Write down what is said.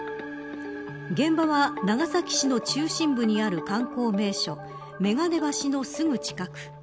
現場は、長崎市の中心部にある観光名所眼鏡橋のすぐ近く。